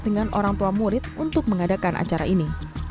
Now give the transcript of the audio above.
dengan orang tua murid untuk mengadakan acara ini